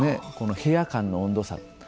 部屋間の温度差。